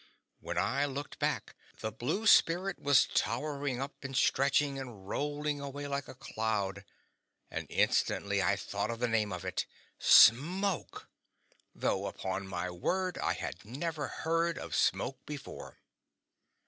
When I looked back the blue spirit was towering up and stretching and rolling away like a cloud, and instantly I thought of the name of it SMOKE! though, upon my word, I had never heard of smoke before.